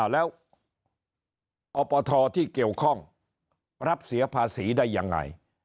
แล้วอปทที่เกี่ยวข้องรับเสียภาษีได้ยังไง